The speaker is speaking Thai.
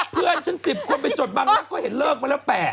เพื่อนฉัน๑๐คนไปจดบางรักก็เห็นเลิกมาแล้ว๘